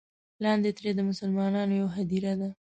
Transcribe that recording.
لاندې ترې د مسلمانانو یوه هدیره ده.